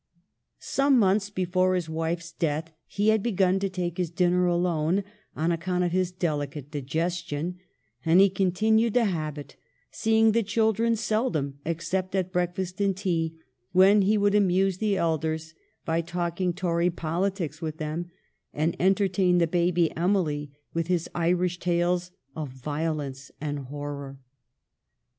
Some months before his wife's death he had begun to take his dinner alone, on account of his delicate digestion ; and he continued the habit, seeing the children seldom except at breakfast and tea, when he would amuse the elders by talking Tory politics with them, and entertain the baby, Emily, with his Irish tales of violence and horror.